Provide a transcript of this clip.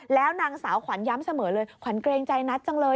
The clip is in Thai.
แล้วนางสาวขวัญย้ำเสมอเลยขวัญเกรงใจนัทจังเลย